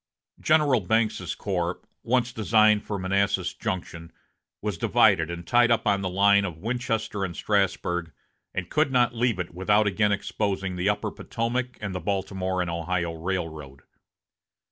General Banks's corps, once designed for Manassas Junction, was divided and tied up on the line of Winchester and Strasburg, and could not leave it without again exposing the upper Potomac and the Baltimore and Ohio railroad.